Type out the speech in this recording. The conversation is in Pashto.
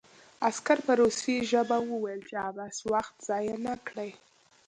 عسکر په روسي ژبه وویل چې عبث وخت ضایع نه کړي